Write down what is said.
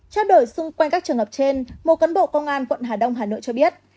trao đổi xung quanh các trường hợp trên một cán bộ công an quận hà đông hà nội cho biết